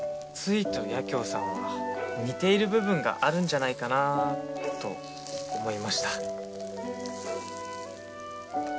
スイと八京さんは似ている部分があるんじゃないかなと思いました。